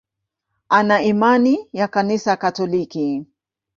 Ana imani ya Kanisa Katoliki.